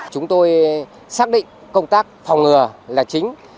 chúng tôi xác định công tác phòng ngừa là chính